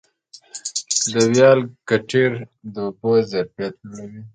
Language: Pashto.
د ویالي کټېر د اوبو ظرفیت لوړوي.